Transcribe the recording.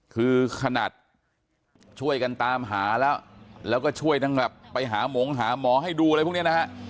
คือขนาดช่วยกันตามหาแล้วแล้วก็ช่วยทั้งแบบไปหาหมงหาหมอให้ดูอะไรพวกนี้นะฮะ